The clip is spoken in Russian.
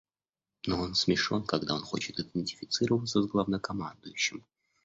Но он смешон, когда он хочет идентифицироваться с главнокомандующим.